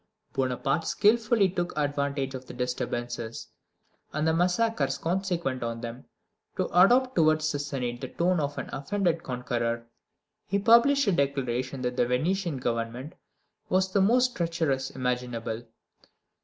Bonaparte skillfully took advantage of the disturbances, and the massacres consequent on them, to adopt towards the Senate the tone of an offended conqueror. He published a declaration that the Venetian Government was the most treacherous imaginable.